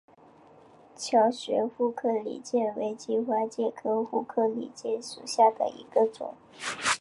乔玄副克里介为荆花介科副克里介属下的一个种。